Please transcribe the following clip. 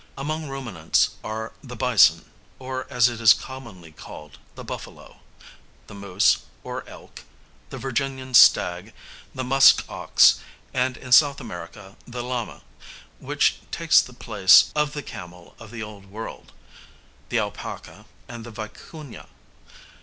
Among ruminants are the bison, or, as it is commonly called, the buffalo, the moose or elk, the Virginian stag, the musk ox; and in S. America the llama (which takes the place of the camel of the Old World), the alpaca, and the vicu├▒a.